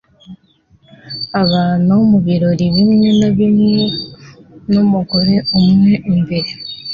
Abantu mubirori bimwe na bimwe numugore umwe imbere